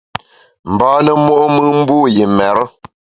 Mbâne mo’mùn mbu yi mêre.